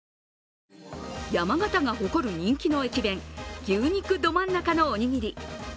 山形が誇る人気の駅弁、牛肉どまん中のおにぎり。